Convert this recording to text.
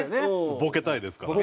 ボケたいですから。